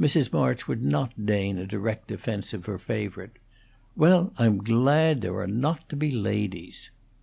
Mrs. March would not deign a direct defence of her favorite. "Well, I'm glad there are not to be ladies."